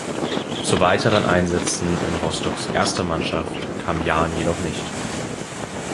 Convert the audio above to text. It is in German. Zu weiteren Einsätzen in Rostocks erster Mannschaft kam Jahn jedoch nicht.